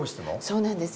そうなんです。